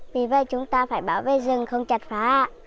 vì vậy chúng ta phải bảo vệ rừng không chặt phá